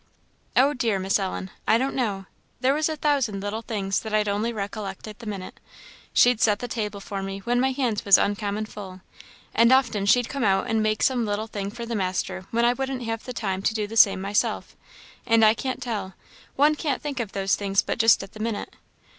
"Oh, dear, Miss Ellen, I don't know; there was a thousand little things that I'd only recollect at the minute; she'd set the table for me when my hands was uncommon full: and often she'd come out and make some little thing for the master when I wouldn't have the time to do the same myself; and I can't tell one can't think of those things but just at the minute.